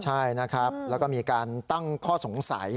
ใช่นะครับแล้วก็มีการตั้งข้อสงสัย